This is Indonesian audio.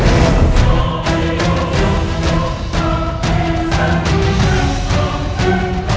apa kena kau